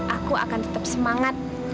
aku akan tetap semangat